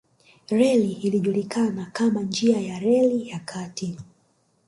Reli ilijulikana kama njia ya reli ya kati